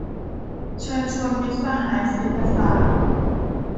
เชิญชวนมิตรสหายเศรษฐศาสตร์